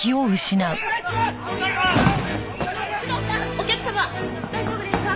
お客様大丈夫ですか？